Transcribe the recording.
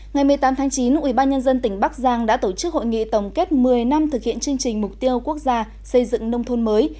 ngày một mươi tám tháng chín ubnd tỉnh bắc giang đã tổ chức hội nghị tổng kết một mươi năm thực hiện chương trình mục tiêu quốc gia xây dựng nông thôn mới